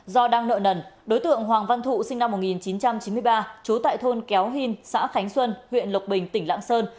do đang nợ nần đối tượng hoàng văn thụ sinh năm một nghìn chín trăm chín mươi ba trú tại thôn kéo hin xã khánh xuân huyện lộc bình tỉnh lạng sơn